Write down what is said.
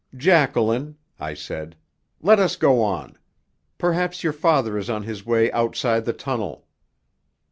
"Jacqueline," I said, "let us go on. Perhaps your father is on his way outside the tunnel."